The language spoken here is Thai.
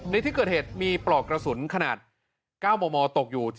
ในที่เกิดเหตุมีปลอกกระสุนขนาด๙มมตกอยู่